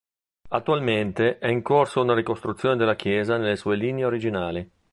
Attualmente è in corso una ricostruzione della chiesa nelle sue linee originali.